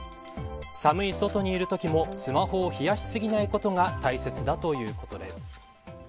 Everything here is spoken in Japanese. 寒い外にいるときもスマホを冷やし過ぎないことが大切だということです。